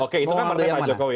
oke itu kan partai pak jokowi